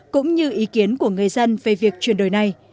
cũng như ý kiến của người dân về việc chuyển đổi này